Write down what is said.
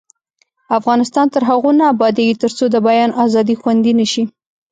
افغانستان تر هغو نه ابادیږي، ترڅو د بیان ازادي خوندي نشي.